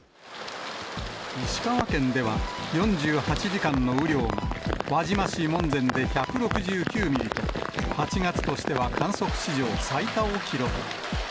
石川県では、４８時間の雨量が輪島市門前で１６９ミリと、８月としては観測史上最多を記録。